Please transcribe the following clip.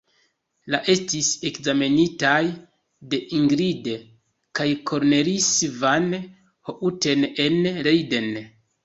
La estis ekzamenitaj de Ingrid kaj Cornelis van Houten en Leiden.